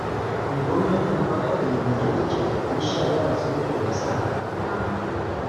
ni ngombwa kumva ko iyo mitegekere mishya y'abazungu yasakaye mu rwanda